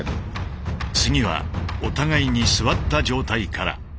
次はお互いに座った状態から。